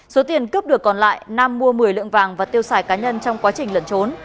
số tiền cướp được còn lại nam mua một mươi lượng vàng và tiêu xài cá nhân trong quá trình lẩn trốn